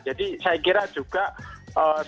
jadi saya kira juga selain pihak organisasi purwok